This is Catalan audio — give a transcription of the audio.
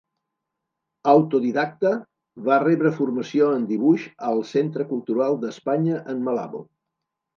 Autodidacta, va rebre formació en dibuix al Centre Cultural d'Espanya en Malabo.